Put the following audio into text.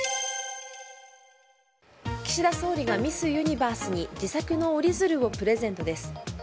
岸田総理がミスユニバースに自作の折り鶴をプレゼントです。